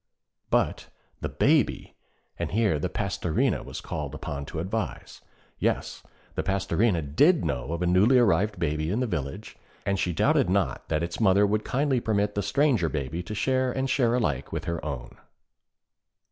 But the Baby And here the 'Pastorinde' was called upon to advise. Yes the Pastorinde did know of a newly arrived baby in the village, and she doubted not that its mother would kindly permit the stranger baby to share and share alike with her own.